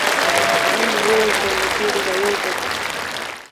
په نن واوسه، له تېر راووځه.